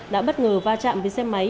đã bất ngờ va chạm với xe máy